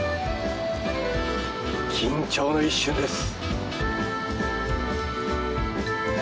緊張の一瞬です。